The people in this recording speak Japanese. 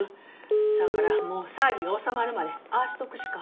せやからもう騒ぎが収まるまでああしとくしか。